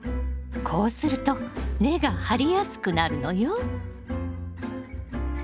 こうすると根が張りやすくなるのよ。